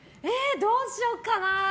どうしようかな。